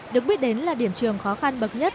được biết đến là điểm trường khó khăn bậc nhất